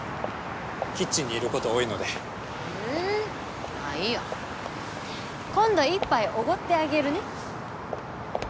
キッチンにいること多いのでふんまぁいいや今度１杯おごってあげるね